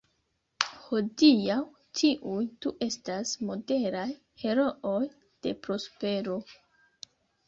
Hodiaŭ tiuj du estas modelaj herooj de prospero.